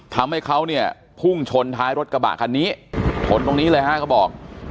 ทำให้เขาเนี่ยพุ่งชนท้ายรถกระบะคันนี้ชนตรงนี้เลยฮะเขาบอก